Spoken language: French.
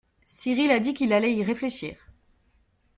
Cyrille a dit qu’il allait y réfléchir.